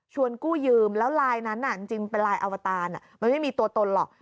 กู้ยืมแล้วลายนั้นจริงเป็นลายอวตารมันไม่มีตัวตนหรอก